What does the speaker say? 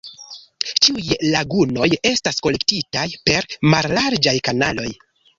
Ĉiuj lagunoj estas konektitaj per mallarĝaj kanaloj.